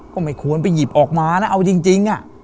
ก็ไม่ควรไปหยิบออกมานะเอาจริง